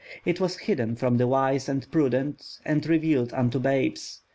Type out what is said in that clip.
It was hidden from the wise and prudent, and revealed unto babes.